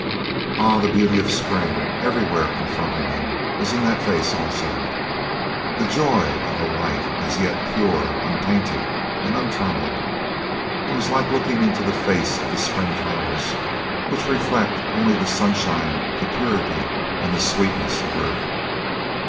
Ah, the beauty of the spring, everywhere confronting him, was in that face also; the joy of a life as yet pure, untainted, and untrammelled. It was like looking into the faces of the spring flowers which reflect only the sunshine, the purity and the sweetness of earth.